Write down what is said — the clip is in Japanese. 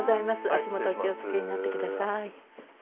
足元お気をつけになってください